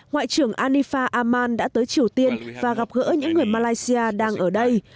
ngoại trưởng anifa amman đã tới triều tiên và gặp gỡ những người malaysia đang ở đây